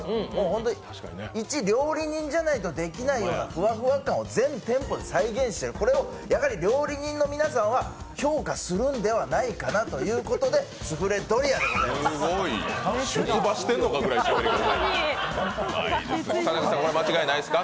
本当に一料理人じゃないとできないようなふわふわ感を全店舗で再現している、これをやはり料理人の皆さんは評価するんじゃないかなということでスフレドリアでございます。